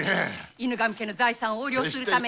犬神家の財産を横領するため。